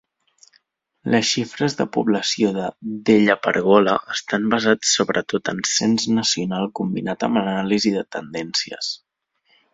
Les xifres de població de DellaPergola estan basats sobretot en cens nacional combinat amb anàlisi de tendències.